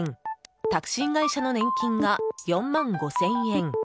タクシー会社の年金が４万５０００円。